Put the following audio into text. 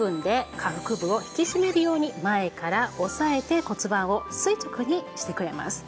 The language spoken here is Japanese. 下腹部を引き締めるように前から押さえて骨盤を垂直にしてくれます。